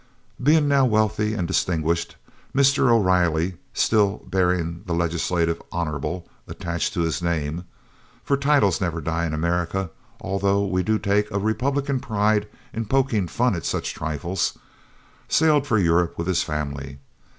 Being now wealthy and distinguished, Mr. O'Riley, still bearing the legislative "Hon." attached to his name (for titles never die in America, although we do take a republican pride in poking fun at such trifles), sailed for Europe with his family.